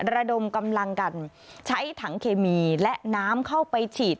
ระดมกำลังกันใช้ถังเคมีและน้ำเข้าไปฉีด